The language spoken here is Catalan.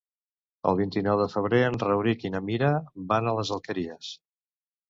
El vint-i-nou de febrer en Rauric i na Mira van a les Alqueries.